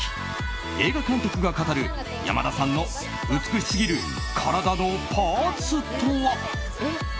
映画監督が語る山田さんの美しすぎる体のパーツとは？